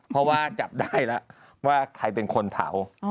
เพราะว่าจับได้แล้วว่าใครเป็นคนเผา